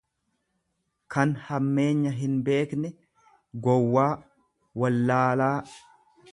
kan hammeenya hinbeekne, gowwaa, wallaalaa.